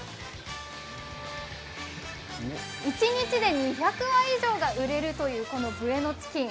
一日で２００羽以上が売れるというブエノチキン。